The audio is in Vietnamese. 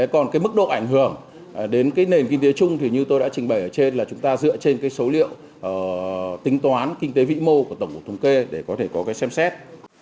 còn cái mức độ ảnh hưởng đến cái nền kinh tế chung thì như tôi đã trình bày ở trên là chúng ta dựa trên cái số liệu tính toán kinh tế vĩ mô của tổng cục thống kê để có thể có cái xem xét